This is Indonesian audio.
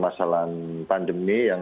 memang permasalahan pandemi yang sampai sekarang